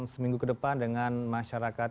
seminggu ke depan dengan masyarakat